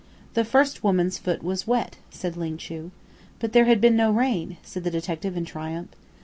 "The first woman's foot was wet," said Ling Chu. "But there had been no rain," said the detective in triumph.